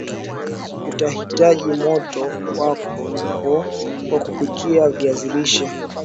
Utahitaji moto wako wa kupikia viazi lishe